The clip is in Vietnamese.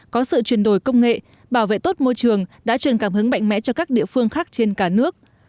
có sự chuyển đổi công nghệ bảo vệ tốt môi trường đã truyền cảm hứng mạnh mẽ cho các địa phương khác trên cả nước